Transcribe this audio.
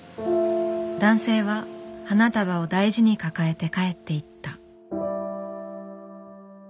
男性は花束を大事に抱えて帰っていった。